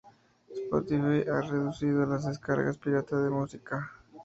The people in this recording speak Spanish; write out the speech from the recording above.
Spotify ha reducido las descargas pirata de música.